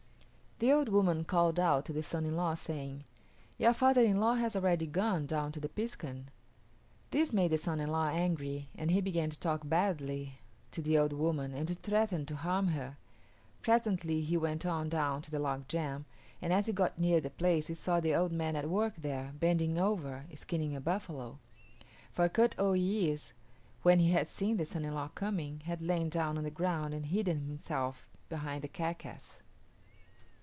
The old woman called out to the son in law, saying, "Your father in law has already gone down to the piskun." This made the son in law angry, and he began to talk badly to the old woman and to threaten to harm her. Presently he went on down to the log jam, and as he got near the place he saw the old man at work there, bending over, skinning a buffalo; for Kut o yis´, when he had seen the son in law coming, had lain down on the ground and hidden himself behind the carcass.